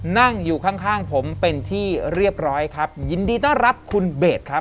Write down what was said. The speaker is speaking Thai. นั่งอยู่ข้างข้างผมเป็นที่เรียบร้อยครับยินดีต้อนรับคุณเบสครับ